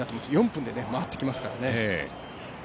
４分で回ってきますからね。